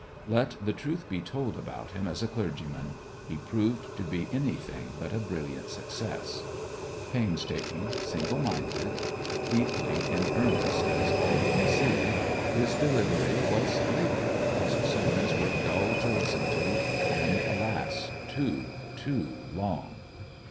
Let the truth be told about him as a clergyman; he proved to be anything but a brilliant success. Painstaking, single minded, deeply in earnest as all could see, his delivery was laboured, his sermons were dull to listen to, and alas, too, too long.